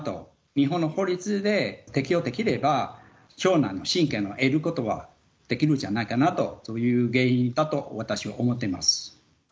日本の法律で適用できれば、長男の親権を得ることはできるんじゃないかなと、そういう原因だと私は思っています。